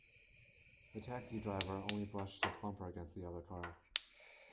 The taxi driver only brushed his bumper against the other car.